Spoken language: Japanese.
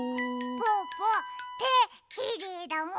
ぽぅぽてきれいだもん！